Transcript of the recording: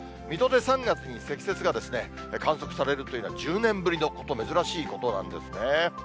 水戸で３月に積雪が観測されるというのは、１０年ぶりのこと、珍しいことなんですね。